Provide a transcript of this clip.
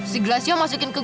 si blasio masukin ke gudang